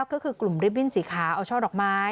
ก็คือกลุ่มริบบิ้นสีขาวเอาช่อดอกไม้